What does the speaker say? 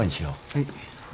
はい